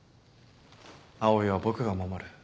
葵は僕が守る。